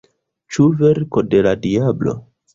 Ĉu verko de la diablo?